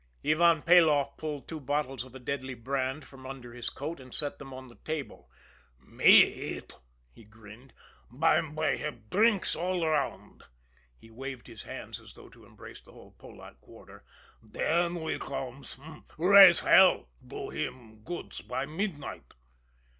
Ivan Peloff pulled two bottles of a deadly brand from under his coat, and set them on the table. "Me eat," he grinned. "By an' by have drinks all 'round" he waved his hands as though to embrace the whole Polack quarter "den we comes rise hell do him goods by midnight."